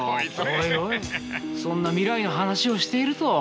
おいおいそんな未来の話をしていると。